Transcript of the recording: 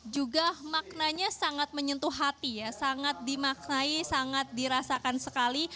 juga maknanya sangat menyentuh hati ya sangat dimaknai sangat dirasakan sekali